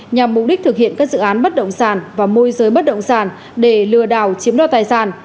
nhằm mục đích thực hiện các dự án bất động sản và môi giới bất động sản để lừa đảo chiếm đo tài sản